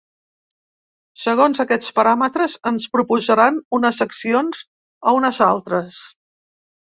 Segons aquests paràmetres, ens proposaran unes accions o unes altres.